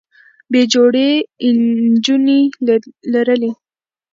بې جوړې نجونې لرلې